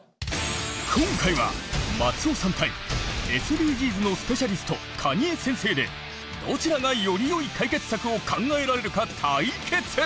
今回は松尾さん対ＳＤＧｓのスペシャリスト蟹江先生でどちらがよりよい解決策を考えられるか対決！